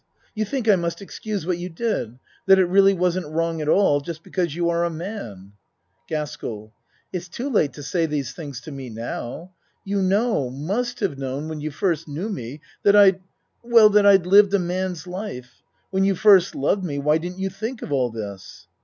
You think I must excuse what you did that it really wasn't wrong at all, just be cause you are a man. GASKELL It's too late to say these things to me now. You know must have known when you first knew me that I'd well that I'd lived a man's life. When you first loved me why didn't you think of all this?